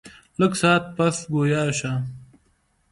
لږ ساعت پس ګویا شۀ ـ